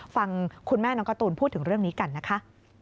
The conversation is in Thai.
ฟังคุณแม่น้องการ์ตูนพูดถึงเรื่องนี้กันนะคะ